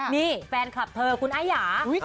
นี่แฟนคลับเธอคุณอายา